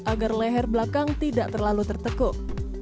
agar leher belakang tidak terlalu tertekuk